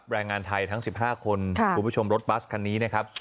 แรงงานไทยทั้ง๑๕คนคุณผู้ชมรถบัสคันนี้นะครับ